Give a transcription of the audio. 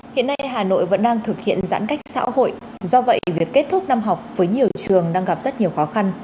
hiện nay hà nội vẫn đang thực hiện giãn cách xã hội do vậy việc kết thúc năm học với nhiều trường đang gặp rất nhiều khó khăn